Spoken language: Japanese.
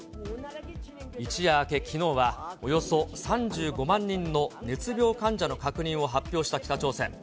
一夜明け、きのうはおよそ３５万人の熱病患者の感染を発表した北朝鮮。